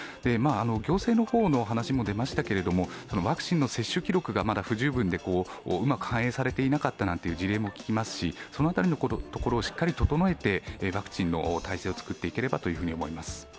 行政の話も出ましたが、ワクチン接種記録がまだ不十分でうまく反映されていなかったという事例も聞きますし、その辺りのところをしっかり整えてワクチンの体制を作っていければと思います。